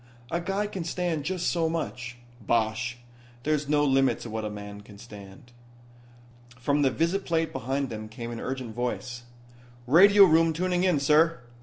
"A guy can stand just so much." "Bosh. There's no limit to what a man can stand." From the visiplate behind them came an urgent voice: "Radio room tuning in, sir."